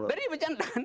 jadi dia bercanda